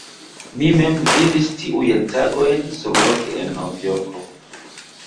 Mi mem vivis tiujn tagojn surloke en Novjorko.